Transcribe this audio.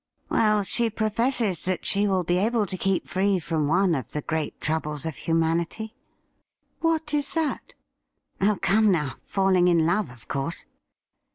' Well, she professes that she will be able to keep free from one of the great troubles of humanity.' ' What is that ?'' Oh, come, now : falling in love, of course.'